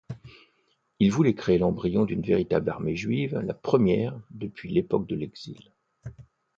Ils voulaient créer l’embryon d'une véritable armée juive, la première depuis l’époque de l’Exil.